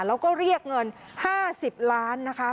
แล้วก็เรียกเงิน๕๐ล้านนะคะ